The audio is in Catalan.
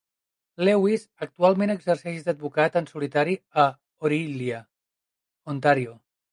Lewis actualment exerceix d'advocat en solitari a Orillia, Ontario.